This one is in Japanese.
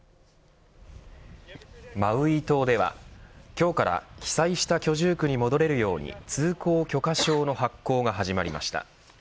マウイ島では、今日から被災した居住区に戻れるように通行許可証の発行が始まりました。